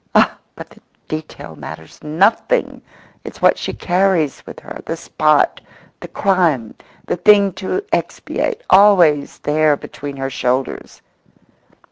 Ah, but the detail matters nothing! It's what she carries with her; the spot, the crime, the thing to expiate, always there between her shoulders.